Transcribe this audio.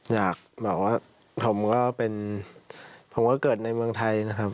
อยากแบบว่าผมก็เป็นผมก็เกิดในเมืองไทยนะครับ